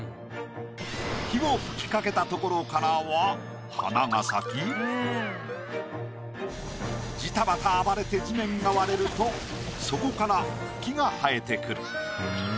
火を吹きかけたところからは花が咲きジタバタ暴れて地面が割れるとそこから木が生えてくる。